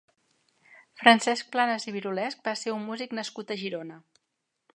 Francesc Planas i Virolesch va ser un músic nascut a Girona.